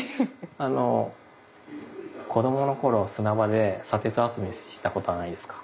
あの子どもの頃砂場で砂鉄集めしたことはないですか？